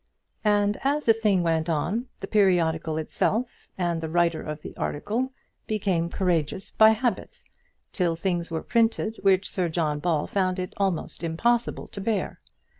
And as the thing went on, the periodical itself and the writer of the article became courageous by habit, till things were printed which Sir John Ball found it almost impossible to bear.